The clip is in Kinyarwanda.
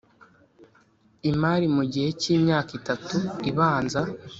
imari mu gihe cy’myaka itatu ibanza